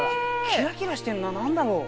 キラキラしてんの何だろう？